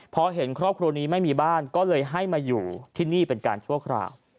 พอเห็นครอบครัวนี้ไม่มีบ้านก็เลยให้มาอยู่ที่นี่เป็นการชั่วคราว